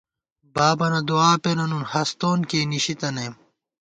بابَنہ دُعا پېنہ نُون ہستون کېئی نِشی تنئیم